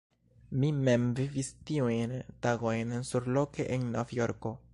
Mi mem vivis tiujn tagojn surloke en Novjorko.